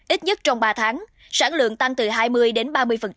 ít nhất trong ba tháng sản lượng tăng từ hai mươi đến ba mươi